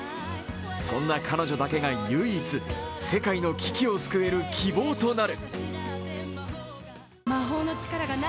そんな彼女だけが唯一、世界の危機を救える希望となる。